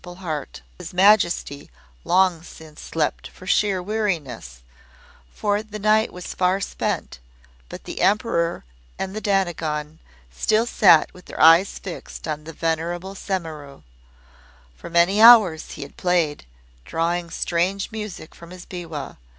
The attendants of His Majesty long since slept for sheer weariness, for the night was far spent, but the Emperor and the Dainagon still sat with their eyes fixed on the venerable Semimaru. For many hours he had played, drawing strange music from his biwa.